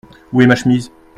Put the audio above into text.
Où est ma chemise ?